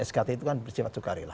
skt itu kan bersifat sukarela